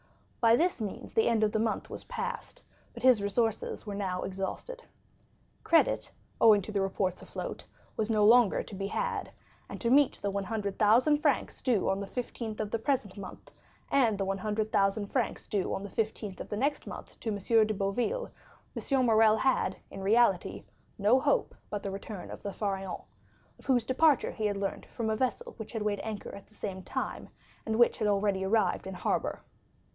By this means the end of the month was passed, but his resources were now exhausted. Credit, owing to the reports afloat, was no longer to be had; and to meet the one hundred thousand francs due on the 15th of the present month, and the one hundred thousand francs due on the 15th of the next month to M. de Boville, M. Morrel had, in reality, no hope but the return of the Pharaon, of whose departure he had learnt from a vessel which had weighed anchor at the same time, and which had already arrived in harbor.